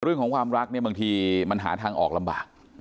เรื่องของความรักเนี่ยบางทีมันหาทางออกลำบาก